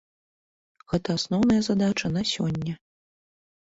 Гэта асноўная задача на сёння.